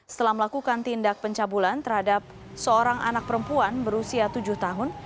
setelah melakukan tindak pencabulan terhadap seorang anak perempuan berusia tujuh tahun